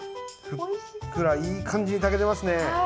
ふっくらいい感じに炊けてますね。